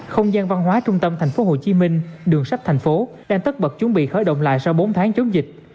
không gian văn hóa trung tâm thành phố hồ chí minh đường sách thành phố đang tất bật chuẩn bị khởi động lại sau bốn tháng chống dịch